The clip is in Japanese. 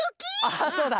あそうだ！